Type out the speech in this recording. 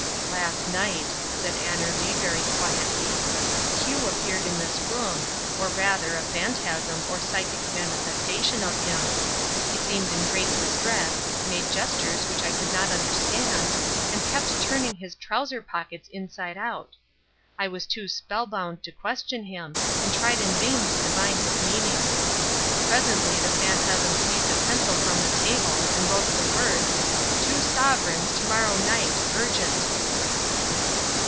"Last night," said Annerly very quietly, "Q appeared in this room, or rather, a phantasm or psychic manifestation of him. He seemed in great distress, made gestures which I could not understand, and kept turning his trouser pockets inside out. I was too spellbound to question him, and tried in vain to divine his meaning. Presently the phantasm seized a pencil from the table, and wrote the words, 'Two sovereigns, to morrow night, urgent.